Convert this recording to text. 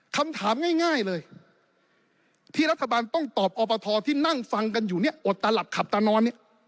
คำถามง่ายเลยที่รัฐบาลต้องตอบอบทที่นั่งฟังกันอยู่เนี่ยอดตาหลับขับตานอนเนี่ย